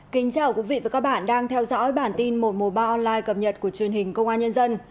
kính chào quý vị và các bạn đang theo dõi bản tin một trăm một mươi ba online cập nhật của truyền hình công an nhân dân